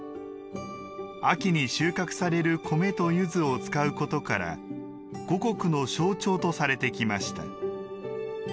秋に収穫される米と柚子を使う事から五穀の象徴とされてきました。